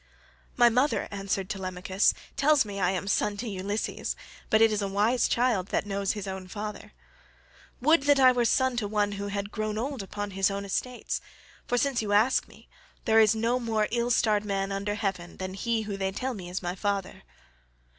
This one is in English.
"My mother," answered Telemachus, "tells me I am son to Ulysses, but it is a wise child that knows his own father. Would that I were son to one who had grown old upon his own estates, for, since you ask me, there is no more ill starred man under heaven than he who they tell me is my father."